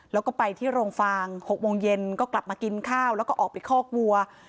แล้วก็ไปที่โรงฟาง๖โมงเย็นก็กลับมากินข้าวแล้วก็ออกไปคอกวัว